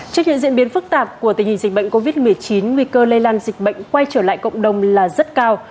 trước những diễn biến phức tạp của tình hình dịch bệnh covid một mươi chín nguy cơ lây lan dịch bệnh quay trở lại cộng đồng là rất cao